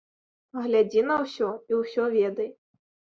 Глядзі на ўсё і ўсё ведай.